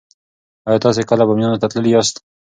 ایا تاسې کله بامیانو ته تللي یاست؟